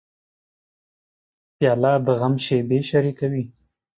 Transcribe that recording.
پیاله د غم شېبې شریکوي.